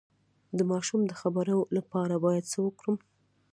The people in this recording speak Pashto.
د ماشوم د خبرو لپاره باید څه وکړم؟